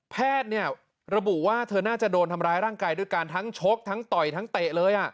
แพทย์เนี่ยระบุว่าเธอน่าจะโดนทำร้ายร่างกายด้วยการทั้งชกทั้งต่อยทั้งเตะเลย